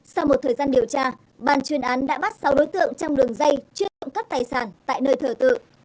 sau một thời gian điều tra ban chuyên án đã bắt sáu đối tượng trong đường dây chuyên trộm cắt tài sản tại nơi thờ tự